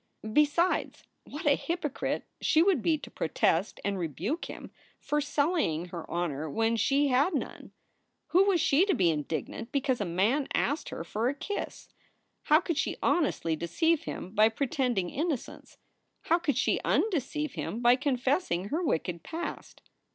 Besides, what a hypocrite she would be to protest and rebuke him for sullying her honor when she had none! Who was she to be indignant because a man asked her for a kiss? How could she honestly deceive him by pretending innocence? How could she undeceive him by confessing her wicked past